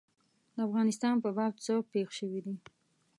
د افغانستان په باب څه پېښ شوي دي.